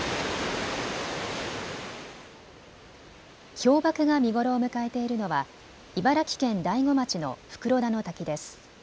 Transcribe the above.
氷ばくが見頃を迎えているのは茨城県大子町の袋田の滝です。